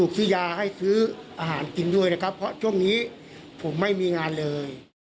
เพราะช่วงนี้ผมไม่มีงานเลย